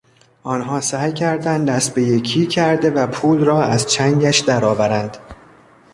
آنها سعی کردند دست به یکی کرده و پول را از چنگش درآورند.